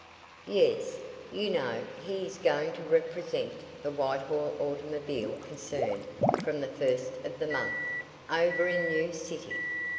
"Yes. You know, he is going to represent the Whitehall automobile concern from the first of the month, over in New City.